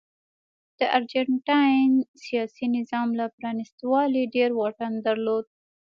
د ارجنټاین سیاسي نظام له پرانیستوالي ډېر واټن درلود.